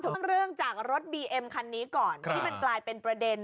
เรื่องจากรถบีเอ็มคันนี้ก่อนที่มันกลายเป็นประเด็น